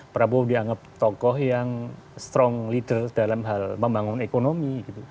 prabowo dianggap tokoh yang strong leader dalam hal membangun ekonomi